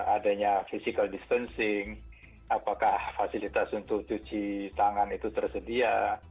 adanya physical distancing apakah fasilitas untuk cuci tangan itu tersedia